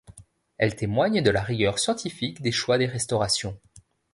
Elles témoignent de la rigueur scientifique des choix des restaurations.